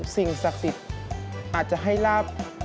สิ่งสักติดอาจจะให้ราบ